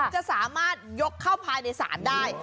จะสามารถยกเข้าภายในศาลได้